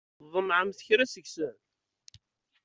Tḍemɛemt kra seg-sen?